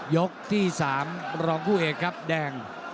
ยกที่๓รองคู่เอกครับแดง